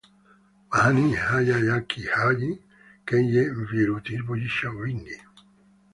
Majani haya ya kijani yenye virutubisho vingi